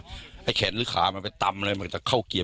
ถ้ามีแขนหรือขามาไปตำอะไรมันก็จะเข้าเกียร์